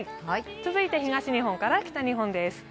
続いて東日本から北日本です。